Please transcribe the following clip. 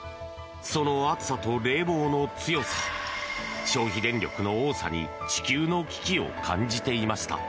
その暑さと冷房の強さ消費電力の多さに地球の危機を感じていました。